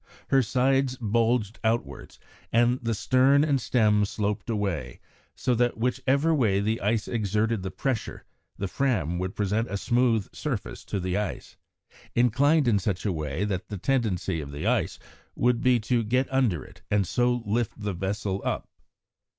Her sides bulged outwards and the stern and stem sloped away, so that whichever way the ice exerted the pressure, the Fram would present a smooth surface to the ice, inclined in such a way that the tendency of the ice would be to get under it and so lift the vessel up.